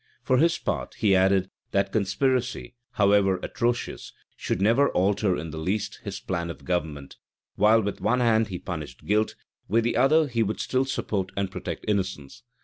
For his part, he added, that conspiracy, however atrocious, should never alter in the least his plan of government: while with one hand he punished guilt, with the other he would still support and protect innocence.